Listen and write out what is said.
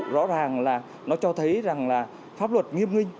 rõ ràng là nó cho thấy rằng là pháp luật nghiêm nghinh